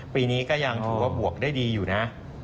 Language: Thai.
ปีนี้ก็ยังถือว่าบวกได้ดีอยู่นะ